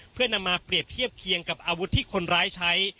เพื่อนำมาเปรียบเทียบเคียงกับอาวุธที่คนร้ายใช้